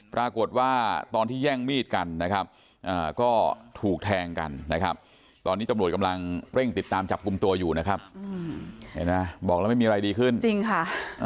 ตอนที่แย่งมีดกันนะครับก็ถูกแทงกันนะครับตอนนี้ตำรวจกำลังเร่งติดตามจับกลุ่มตัวอยู่นะครับเห็นไหมบอกแล้วไม่มีอะไรดีขึ้นจริงค่ะ